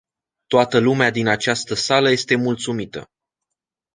Toată lumea din această sală este mulțumită.